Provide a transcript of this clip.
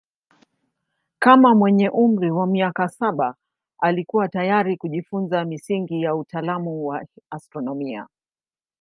Kama mwenye umri wa miaka saba alikuwa tayari kujifunza misingi ya utaalamu wa astronomia.